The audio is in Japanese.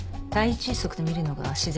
窒息とみるのが自然ね。